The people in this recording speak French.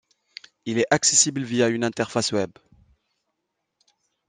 Il est accessible via une interface web.